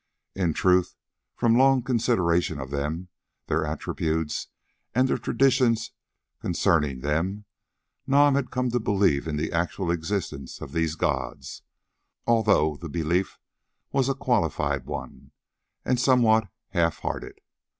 In truth, from long consideration of them, their attributes, and the traditions concerning them, Nam had come to believe in the actual existence of these gods, although the belief was a qualified one and somewhat half hearted.